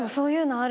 ある？